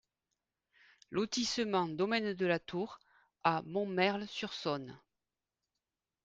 Lotissement Domaine de la Tour à Montmerle-sur-Saône